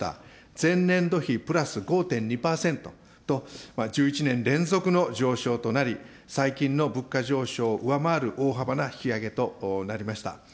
前年比プラス５．２％と、１１年連続の上昇となり、最近の物価上昇を上回る大幅な引き上げとなりました。